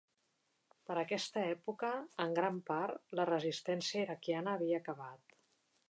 Per aquesta època, en gran part la resistència iraquiana havia acabat.